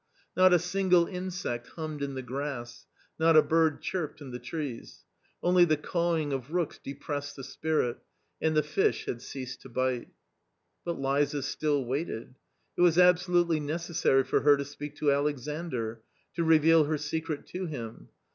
Not a single insect hummed in the grass, not a bird chirped in the trees ; only the cawing of rooks depressed the spirit ; and the fish had ceased to bite. But Liza still waited ; it was absolutely necessary for her to speak to Alexandr, to reveal her secret to him.